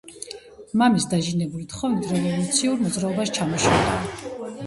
მამის დაჟინებული თხოვნით რევოლუციურ მოძრაობას ჩამოშორდა.